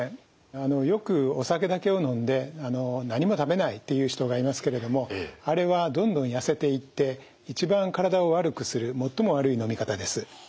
あのよくお酒だけを飲んで何も食べないという人がいますけれどもあれはどんどん痩せていって一番体を悪くする最も悪い飲み方です。